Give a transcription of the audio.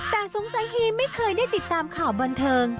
แต่สงสัยฮีไม่เคยได้ติดตามข่าวบันเทิง